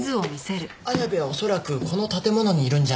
綾部は恐らくこの建物にいるんじゃないかと。